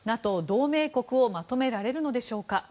ＮＡＴＯ同盟国をまとめられるのでしょうか。